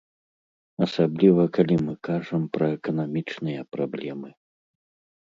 Асабліва калі мы кажам пра эканамічныя праблемы.